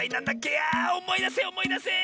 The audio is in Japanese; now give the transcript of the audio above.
あおもいだせおもいだせ！